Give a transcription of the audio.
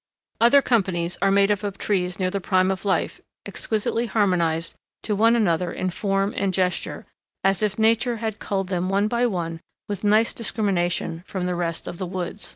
Other companies are made up of trees near the prime of life, exquisitely harmonized to one another in form and gesture, as if Nature had culled them one by one with nice discrimination from all the rest of the woods.